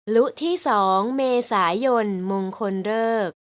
ลุที่๒เมษายนมงคลเลิก